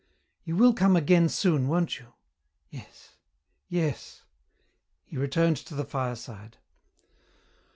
"You will come again soon, won't you?" "Yes.... Yes." He returned to the fireside.